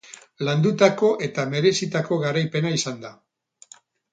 Landutako eta merezitako garaipena izan da.